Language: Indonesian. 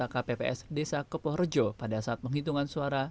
kppes desa kepohrejo pada saat menghitungan suara